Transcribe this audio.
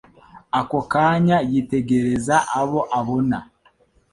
Ako kanya yitegereza aboabona